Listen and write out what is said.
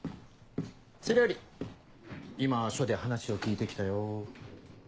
それより今署で話を聞いて来たよ。